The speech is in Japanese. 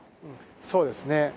そうですね。